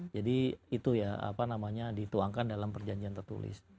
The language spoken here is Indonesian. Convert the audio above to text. jadi itu ya apa namanya dituangkan dalam perjanjian tertulis